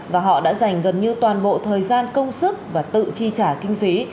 và họ đã dành gần như toàn bộ thời gian công sức và tự chi trả kinh phí